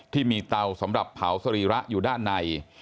ที่มีเตาสำหรับเผาสรีระอยู่ด้านใน